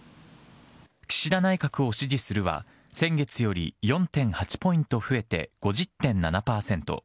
岸田内閣を支持するは、先月より４．８ポイント増えて５０．７％。